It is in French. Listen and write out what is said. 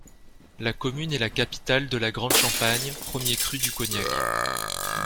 La commune est la capitale de la Grande Champagne, premier cru du cognac.